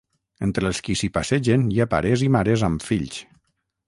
Entre els qui s’hi passegen hi ha pares i mares amb fills.